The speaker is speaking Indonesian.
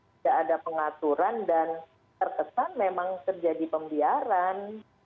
tidak ada pengaturan dan terkesan memang terjadi pembiaran